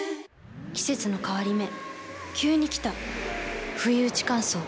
季節の変わり目急に来たふいうち乾燥。